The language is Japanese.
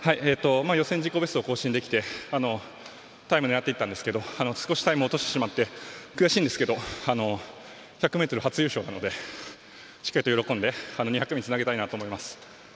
予選自己ベストを更新できてタイム狙っていったんですけど少しタイムを落としてしまって悔しいんですけど１００ｍ、初優勝なのでしっかりと喜んで２００につなげたいなと思います。